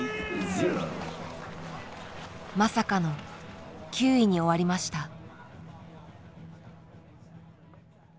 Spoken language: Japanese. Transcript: まさかの９位に終わりました。